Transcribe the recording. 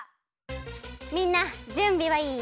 みんなじゅんびはいい？